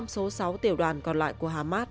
bốn trăm linh số sáu tiểu đoàn còn lại của hamas